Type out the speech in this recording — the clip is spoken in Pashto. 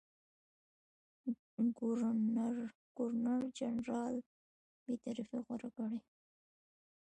ګورنرجنرال بېطرفي غوره کړي.